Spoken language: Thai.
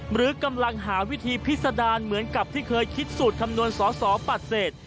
หรือกำลังหาวิธีพิษดารเหมือนกับที่เคยคิดสูตรคำนวณสอสอปฏิเสธ